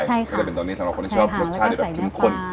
ก็จะเป็นตัวนี้สำหรับคนที่ชอบรสชาติที่แบบเข้มข้น